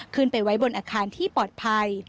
ขึ้นไปไว้บนอาคารที่ปลอดภัย